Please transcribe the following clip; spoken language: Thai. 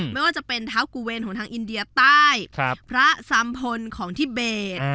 ไม่ว่าจะเป็นเท้ากูเวรของทางอินเดียใต้พระสัมพลของทิเบส